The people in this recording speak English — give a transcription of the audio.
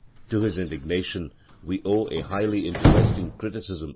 To his indignation we owe a highly interesting * Forkel, p.